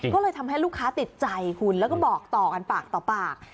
ก็เลยทำให้ลูกค้าติดใจคุณแล้วก็บอกต่อกันปากต่อปาก